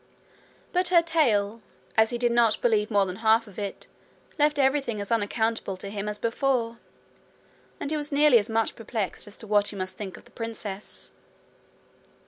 But her tale, as he did not believe more than half of it, left everything as unaccountable to him as before, and he was nearly as much perplexed as to what he must think of the princess.